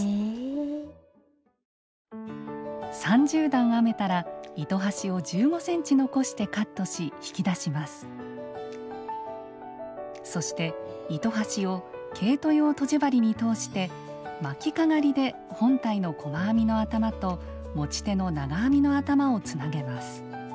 ３０段編めたらそして糸端を毛糸用とじ針に通して巻きかがりで本体の細編みの頭と持ち手の長編みの頭をつなげます。